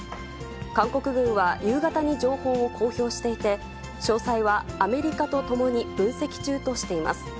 韓国軍は夕方に情報を公表していて、詳細はアメリカと共に分析中としています。